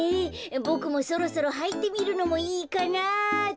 ボクもそろそろはいてみるのもいいかなあって。